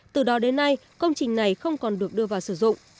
từ đó đến nay công trình này không còn được đưa vào sử dụng